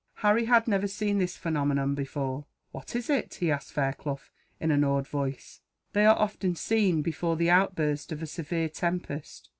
Harry had never seen this phenomenon before. "What is it?" he asked Fairclough, in an awed voice. "They are often seen, before the outburst of a severe tempest.